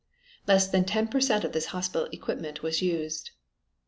Less than ten per cent of this hospital equipment was used.